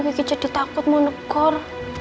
kiki jadi takut mau negor